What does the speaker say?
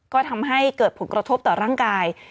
ก็ทำให้เกิดผลกระทบต่อร่างกาย